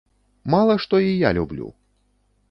Мала што і я люблю.